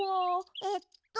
えっと